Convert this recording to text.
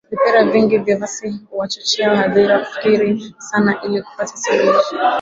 Vipera vingi vya fasihi huwachochea hadhira kufikiri sana ili kupata suluhisho.